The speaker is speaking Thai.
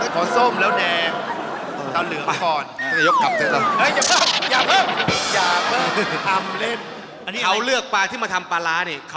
พอส้มแล้วแดงแล้วเหลืองก่อนเดี๋ยวยกกลับเถอะ